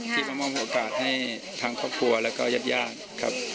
ที่มามอบโอกาสให้ทางครอบครัวและก็ยัดยากครับ